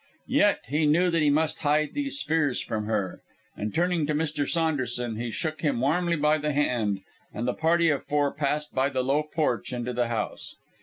Yet, he knew that he must hide these fears from her; and turning to Mr. Saunderson, he shook him warmly by the hand, and the party of four passed by the low porch into the house.